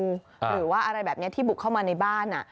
หรือว่าอะไรแบบนี้ที่บุกเข้ามาในบ้าน